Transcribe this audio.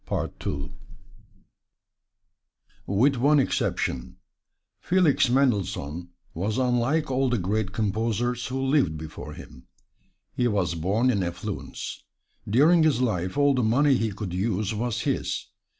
With one exception, Felix Mendelssohn was unlike all the great composers who lived before him he was born in affluence; during his life all the money he could use was his.